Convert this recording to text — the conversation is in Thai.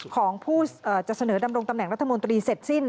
ของผู้จะเสนอดำรงตำแหน่งรัฐมนตรีเสร็จสิ้น